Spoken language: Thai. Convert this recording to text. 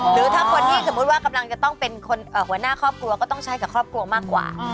หรือถ้าคนที่สมมุติว่ากำลังจะต้องเป็นหัวหน้าครอบครัวก็ต้องใช้กับครอบครัวมากกว่า